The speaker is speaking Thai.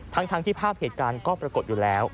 ทั้งที่ภาพเหตุการณ์ก็ปรากฏอยู่แล้ว